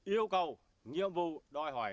yêu cầu nhiệm vụ đòi hỏi